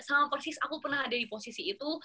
sama persis aku pernah ada di posisi itu